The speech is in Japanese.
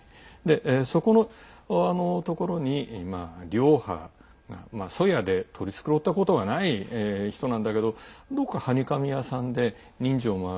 そこのところに、リョーハが粗野で取り繕ったことがない人なんだけどどこか、はにかみやさんで人情もある。